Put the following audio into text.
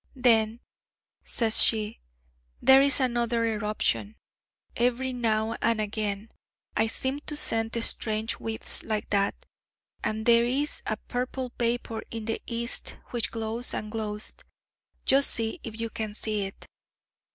'Then,' says she, 'there is another eruption. Every now and again I seem to scent strange whiffs like that ... and there is a purple vapour in the East which glows and glows ... just see if you can see it....'